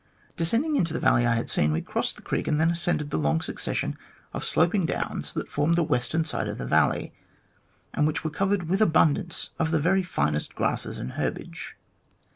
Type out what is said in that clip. Descending into the valley I had seen, we crossed the creek and then ascended the long succession of sloping downs that formed the western side of the valley, and which were covered with abundance of the very finest grasses and herbage.